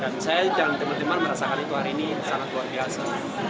dan saya dengan teman teman merasakan itu hari ini sangat luar biasa